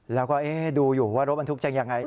แล้วก็ดูอยู่ว่ารถบรรทุกจะยังไง